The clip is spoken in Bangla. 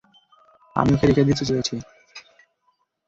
আমি ওকে রেখে দিতে চেয়েছি!